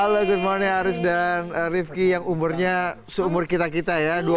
halo good morning aris dan rifki yang umurnya seumur kita kita ya